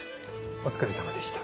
お疲れさまでした。